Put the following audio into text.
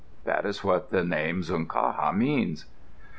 That is what the name Xunkaha means.